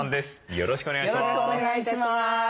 よろしくお願いします。